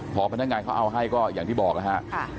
พอพนักงานเขาเอาให้ก็อย่างที่บอกนะฮะ